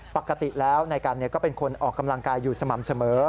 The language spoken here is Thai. ปกติแล้วนายกันก็เป็นคนออกกำลังกายอยู่สม่ำเสมอ